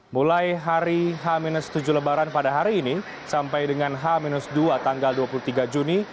mulai hari h tujuh lebaran pada hari ini sampai dengan h dua tanggal dua puluh tiga juni